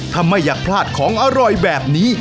ถ้าไม่อยากพลาดของอร่อยแบบนี้